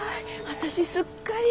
私すっかり。